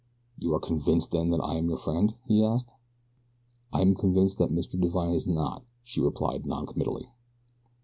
"You are convinced then that I am your friend?" he asked. "I am convinced that Mr. Divine is not," she replied non committally.